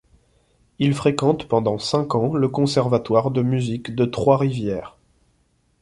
Il fréquente pendant cinq ans le conservatoire de musique de Trois-Rivières.